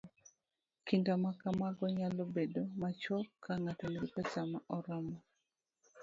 Kinda ma kamago nyalo bedo machuok ka ng'ato nigi pesa moromo